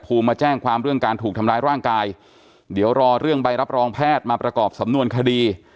มาแจ้งความเรื่องการถูกทำร้ายร่างกายเดี๋ยวรอเรื่องใบรับรองแพทย์มาประกอบสำนวนคดี